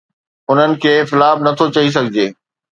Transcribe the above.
انهن کي فلاپ نٿو چئي سگهجي.